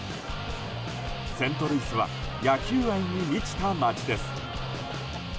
セントルイスは野球愛に満ちた街です。